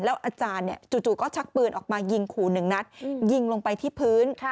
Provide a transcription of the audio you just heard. อาจารย์จู่ก็ชักปืนออกมายิงขู่หนึ่งนัดยิงลงไปที่พื้น